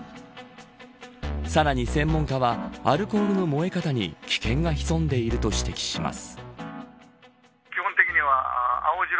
さらに専門家はアルコールの燃え方に危険が潜んでいると指摘します。